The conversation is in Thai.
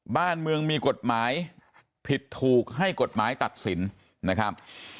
บ้านเมืองมีกฎหมายผิดถูกให้กฎหมายตัดสินนะครับ